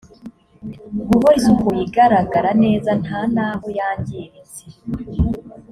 guhora isukuye igaragara neza nta n aho yangiritse